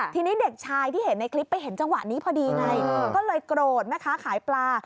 ทีนี้เด็กชายที่เห็นในคลิป